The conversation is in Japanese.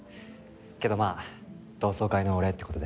けどまあ同窓会のお礼って事で。